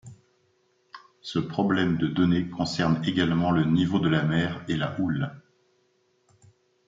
Ce problème de données concerne également le niveau de la mer et la houle.